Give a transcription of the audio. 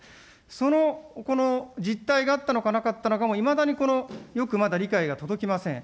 その実態があったのかなかったのかも、いまだによくまだ理解が届きません。